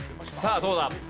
さあどうだ？